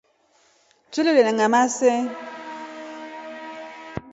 Twe loliyana ngamaa see?